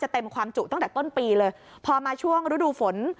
เต็มความจุตั้งแต่ต้นปีเลยพอมาช่วงฤดูฝน